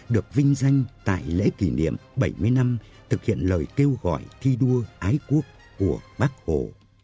được vinh danh tại lễ kỷ niệm bảy mươi năm thực hiện lời kêu gọi thi đua ái quốc của bác hồ